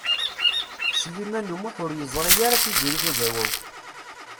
Sliman U Muḥ ur yeẓri ara Tiziri Tagawawt.